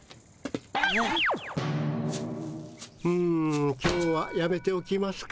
うん今日はやめておきますか。